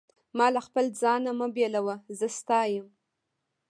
ما له خپل ځانه مه بېلوه، زه ستا یم.